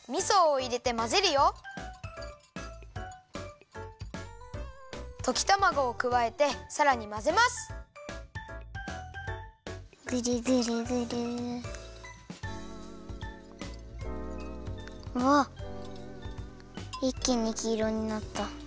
いっきにきいろになった。